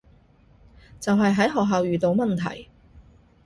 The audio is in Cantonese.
就係喺學校遇到問題